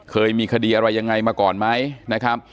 เคยมีคดีอะไรยังไงมาก่อนไหมนะครับ